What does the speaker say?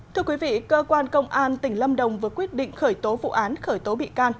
thưa quý vị cơ quan công an tỉnh lâm đồng vừa quyết định khởi tố vụ án khởi tố bị can